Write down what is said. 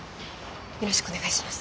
よろしくお願いします。